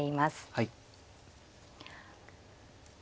はい。